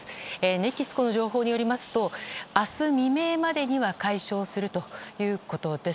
ＮＥＸＣＯの情報によりますと明日未明までには解消するということです。